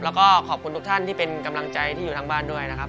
แล้วก็ขอบคุณทุกท่านที่เป็นกำลังใจที่อยู่ทางบ้านด้วยนะครับ